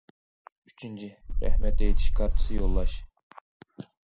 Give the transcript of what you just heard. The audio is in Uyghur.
ئۈچىنچى،« رەھمەت ئېيتىش» كارتىسى يوللاش.